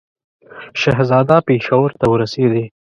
شهزاده پېښور ته ورسېدی.